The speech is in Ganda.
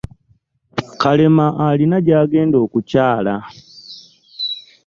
Kalema alina gyagenda okukyala.